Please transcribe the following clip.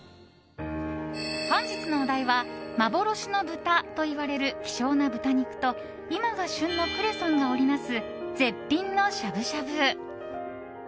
本日のお題は幻の豚といわれる希少な豚肉と今が旬のクレソンが織りなす絶品のしゃぶしゃぶ！